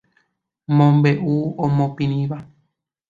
Mombe'u omopirĩva.